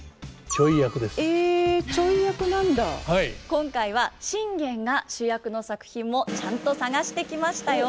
今回は信玄が主役の作品もちゃんと探してきましたよ。